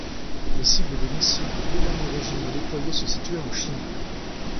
Les cibles des missiles des deux derniers régiments déployés se situaient en Chine.